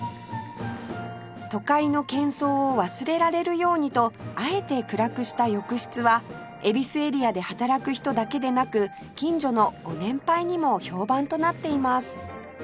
都会の喧騒を忘れられるようにとあえて暗くした浴室は恵比寿エリアで働く人だけでなく近所のご年配にも評判となっています